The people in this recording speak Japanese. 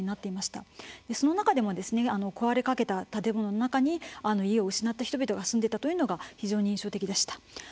その中でも壊れかけた建物の中に家を失った人々が住んでたというのが非常に印象的でした。